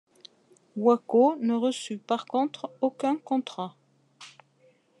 Waco ne reçut par contre aucun contrat.